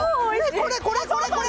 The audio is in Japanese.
これこれこれこれ！